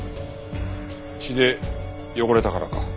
血で汚れたからか？